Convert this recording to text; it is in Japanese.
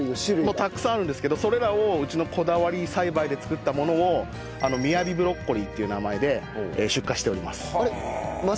もうたくさんあるんですけどそれらをうちのこだわり栽培で作ったものを雅ブロッコリーっていう名前で出荷しております。